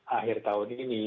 akhir tahun ini